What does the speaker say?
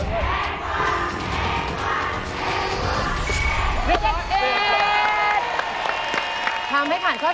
เก่งกว่าเก่งกว่าเก่งกว่าเก่งกว่า